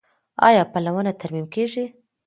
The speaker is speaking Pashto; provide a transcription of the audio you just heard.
آیا پلونه ترمیم کیږي؟